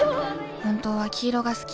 本当は黄色が好き。